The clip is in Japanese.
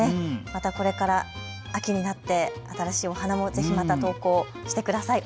またこれから秋になって新しいお花もまたぜひ投稿してください。